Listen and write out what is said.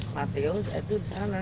mateo itu di sana